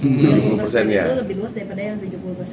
tiga puluh persen itu lebih luas daripada yang tujuh puluh persen